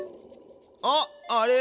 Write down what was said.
あっあれ？